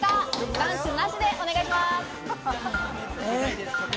ダンスなしでお願いします。